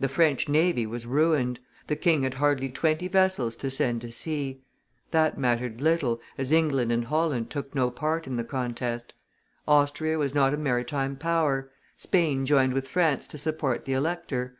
The French navy was ruined, the king had hardly twenty vessels to send to sea; that mattered little, as England and Holland took no part in the contest; Austria was not a maritime power; Spain joined with France to support the elector.